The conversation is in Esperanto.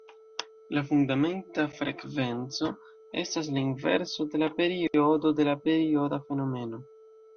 La fundamenta frekvenco estas la inverso de la periodo de la perioda fenomeno.